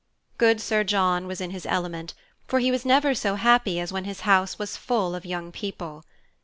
Good Sir John was in his element, for he was never so happy as when his house was full of young people.